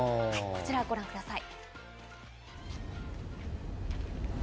こちらをご覧ください。